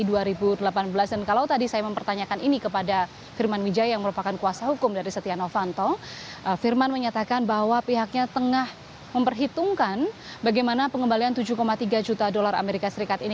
dan kalau tadi saya mempertanyakan ini kepada firman wijaya yang merupakan kuasa hukum dari setia novanto firman menyatakan bahwa pihaknya tengah memperhitungkan bagaimana pengembalian tujuh tiga juta dolar as ini